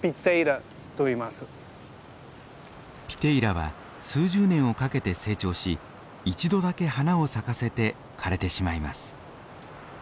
ピテイラは数十年をかけて成長し一度だけ花を咲かせて枯れてしまいます。